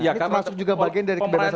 ini termasuk juga bagian dari kebebasan